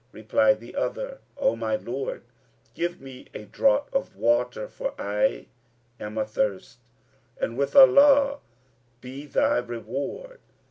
Replied the other, "O my lord, give me a draught of water, for I am athirst; and with Allah be thy reward!"